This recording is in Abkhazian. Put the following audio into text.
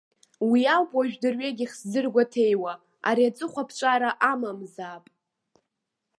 Уи ауп уажә дырҩегьых сзыргәаҭеиуа, ари ҵыхәаԥҵәара амамзаап!